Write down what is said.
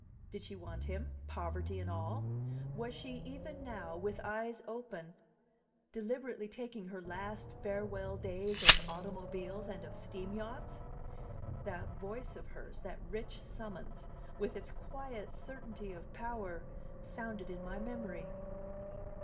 Did she want him, poverty and all? Was she, even now, with eyes open, deliberately taking her last farewell days of automobiles and of steam yachts? That voice of hers, that rich summons, with its quiet certainty of power, sounded in my memory.